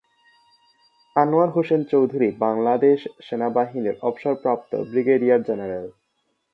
আনোয়ার হোসেন চৌধুরী বাংলাদেশ সেনাবাহিনীর অবসরপ্রাপ্ত brigadier general.